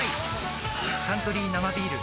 「サントリー生ビール」